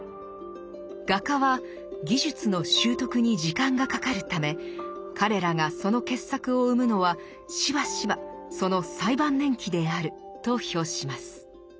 画家は技術の習得に時間がかかるため「彼らがその傑作を産むのはしばしばその最晩年期である」と評します。